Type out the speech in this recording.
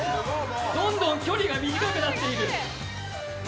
どんどん距離が短くなっている。